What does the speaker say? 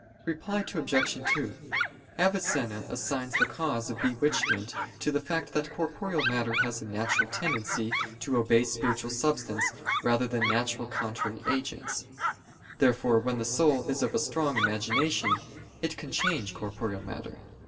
Reply Obj. 2: Avicenna assigns the cause of bewitchment to the fact that corporeal matter has a natural tendency to obey spiritual substance rather than natural contrary agents. Therefore when the soul is of strong imagination, it can change corporeal matter.